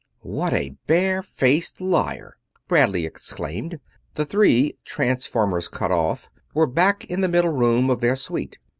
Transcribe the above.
"What a barefaced liar!" Bradley exclaimed. The three, transformers cut off, were back in the middle room of their suite.